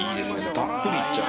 たっぷりいっちゃう。